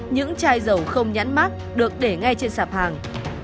những chai dầu không nhãn mát được để ngay trên sạp hàng